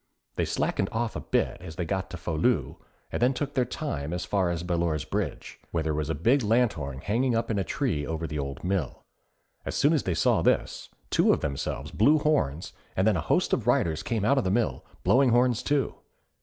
They slackened off a bit as they got to Folieu and then took their time as far as Ballure's Bridge, where there was a big lanthorn hanging up in a tree over the old mill. As soon as they saw this, two of Themselves blew horns and then a host of riders came out of the mill, blowing horns too.